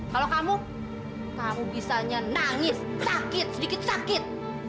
kalau kamu kamu bisanya nangis sakit sedikit sakit sakit